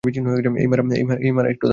এই, মারা, একটু দাঁড়া।